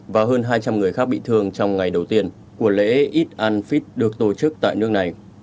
và hơn hai trăm linh người khác bị thương trong ngày đầu tiên của lễ ít anfith được tổ chức tại nước này